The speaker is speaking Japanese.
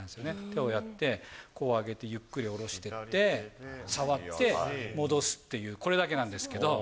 手をやって、こうやってゆっくり下ろしていって、触って、戻すっていう、これだけなんですけど。